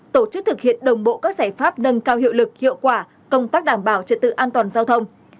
tổ chức thực hiện đồng bộ các giải pháp nâng cao hiệu lực hiệu quả công tác đảm bảo trật tự an toàn giao thông